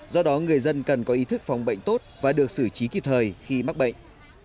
do đó người dân cần có ý thức phòng bệnh tốt và được xử trí kịp thời khi mắc bệnh